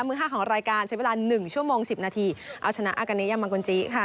มือห้าของรายการใช้เวลาหนึ่งชั่วโมงสิบนาทีเอาชนะอากาเนยามังกุลจิค่ะ